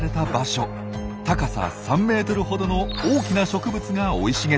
高さ３メートルほどの大きな植物が生い茂っています。